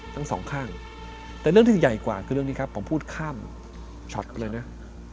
ทั้งสองข้างแต่เรื่องที่ใหญ่กว่าคือเรื่องนี้ครับผมพูดข้ามช็อตเลยนะ